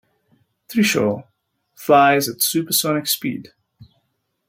Trishul flies at supersonic speed.